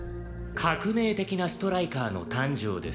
革命的なストライカーの誕生です。